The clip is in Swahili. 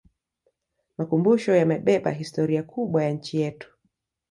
makumusho yamebeba historia kubwa ya nchi yetu